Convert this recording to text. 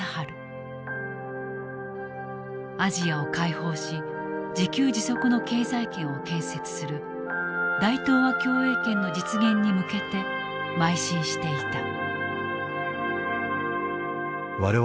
アジアを解放し自給自足の経済圏を建設する大東亜共栄圏の実現に向けてまい進していた。